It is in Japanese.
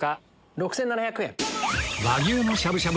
６７００円。